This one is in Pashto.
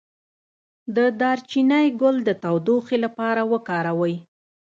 د دارچینی ګل د تودوخې لپاره وکاروئ